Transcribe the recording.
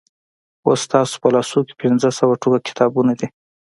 اوس ستاسو په لاسو کې پنځه سوه ټوکه کتابونه دي.